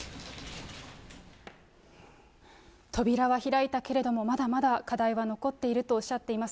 扉は開いたけれども、まだまだ課題は残っているとおっしゃっています。